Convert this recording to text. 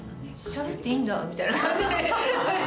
しゃべっていいんだみたいな感じ。